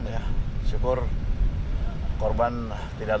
saya syukur korban tidak